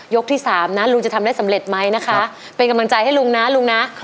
ที่๓นะลุงจะทำได้สำเร็จไหมนะคะเป็นกำลังใจให้ลุงนะลุงนะ